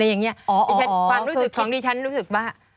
อะไรอย่างนี้ไปเช็ดความรู้สึกของดิฉันรู้สึกว่า